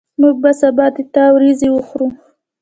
موږ به سبا د تا وریځي وخورو